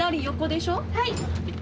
はい。